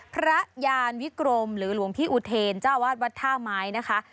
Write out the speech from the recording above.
พระยานวิกรมหรือหลวงพี่อุเทรนเจ้าวาดวัดท่าไม้นะคะ